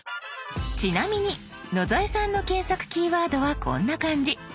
ちなみに野添さんの検索キーワードはこんな感じ。